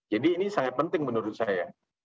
jadi ini sangat penting menurut saya